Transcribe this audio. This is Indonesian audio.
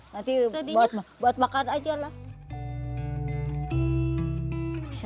nanti buat makan aja lah